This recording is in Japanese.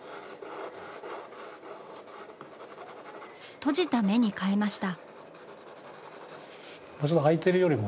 閉じた目に変えました。